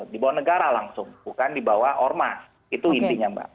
dibawa negara langsung bukan dibawa ormas itu intinya mbak